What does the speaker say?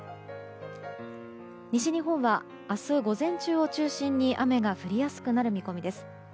西日本は明日、午前中を中心に雨が降りやすくなる見込みです。